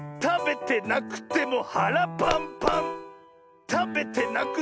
たべてなくてもはらパンパン！